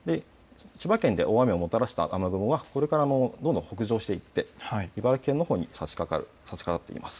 千葉県で大雨をもたらした雨雲はこれからどんどん北上していって、茨城県のほうにさしかかっています。